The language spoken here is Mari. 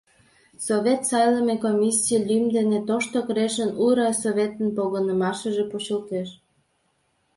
— Совет сайлыме комиссий лӱм дене Тошто Крешын у райсоветын погынымашыже почылтеш.